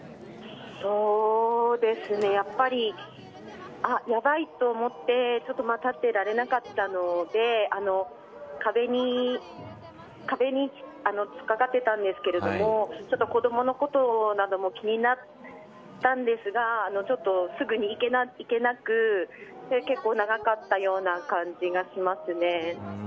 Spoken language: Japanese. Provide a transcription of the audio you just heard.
そうですねやっぱり、あっやばいと思ってちょっと立っていられなかったので壁に突っかかっていたんですけれどもちょっと子どものことなども気になったんですがすぐに行けなくて結構長かったような感じがしますね。